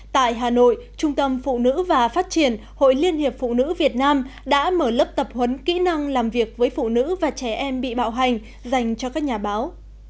tại hà nội trung tâm phụ nữ và phát triển hội liên hiệp phụ nữ việt nam đã mở lớp tập huấn kỹ năng làm việc với phụ nữ và trẻ em bị bạo hành dành cho các nhà báo